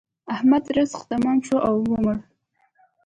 د احمد رزق تمام شو او ومړ.